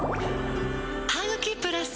「ハグキプラス」